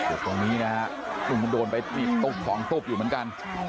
อยู่ตรงนี้นะครับมันโดนไปมีของตุ๊บอยู่เหมือนกัน